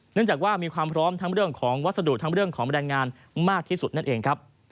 เนื่องจากว่ามีความพร้อมทั้งเรื่องของวัสดุทั้งเรื่องของแรงงานมากที่สุดนั่นเองครับ